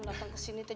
datang ke sini teh